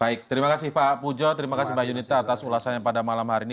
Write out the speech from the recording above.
baik terima kasih pak pujo terima kasih mbak yunita atas ulasannya pada malam hari ini